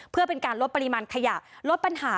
เพื่อเป็นการลดปริมาณขยะลดปัญหา